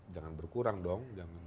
jangan berkurang dong